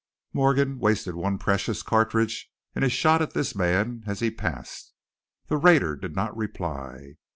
Morgan wasted one precious cartridge in a shot at this man as he passed. The raider did not reply.